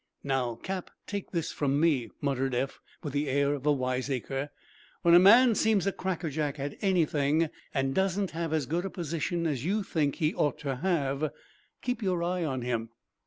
"Now, Cap, take this from me," muttered Eph, with the air of a wiseacre. "When a man seems a crackerjack at anything, and doesn't have as good a position as you think he ought to have, keep your eye on him."